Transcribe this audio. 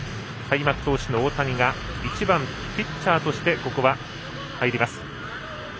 開幕投手の大谷が１番ピッチャーとして入ります。